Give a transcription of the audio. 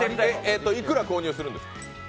幾ら購入するんですか？